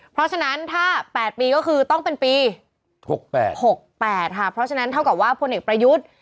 เพราะฉะนั้นถ้าแปดปีก็คือต้องเป็นปีหกแปดหกแปดค่ะเพราะฉะนั้นเท่ากับว่าพ่อเนกประยุจ